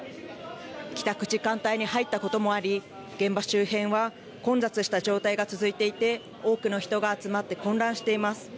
帰宅時間帯に入ったこともあり現場周辺は混雑した状態が続いていて多くの人が集まって混乱しています。